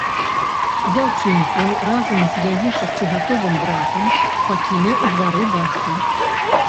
Дзяўчынку разам з яе шасцігадовым братам пакінуў у двары бацька.